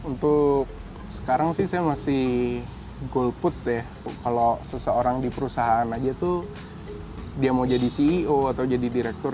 untuk sekarang sih saya masih golput ya kalau seseorang di perusahaan aja tuh dia mau jadi ceo atau jadi direktur